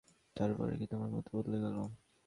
তারপরে কি তোমার মত বদলে গেল?